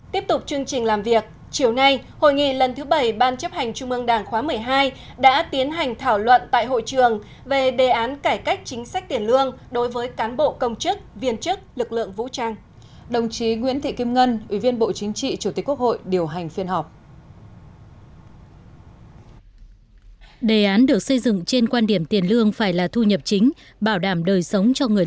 tiếp tục chương trình làm việc chiều nay hội nghị lần thứ bảy ban chấp hành trung mương đảng khóa một mươi hai đã tiến hành thảo luận tại hội trường về đề án cải cách chính sách tiền lương đối với cán bộ công chức viên chức lực lượng vũ trang